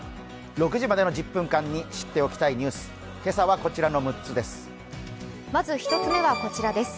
６時までの１０分間に知っておきたいニュース、今朝はこちらの６つです。